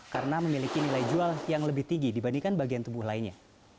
karena memiliki nilai jual yang lebih tinggi dibandingkan bagian tubuh lainnya